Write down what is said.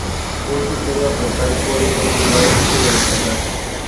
Un sistema postal puede ser privado o estatal.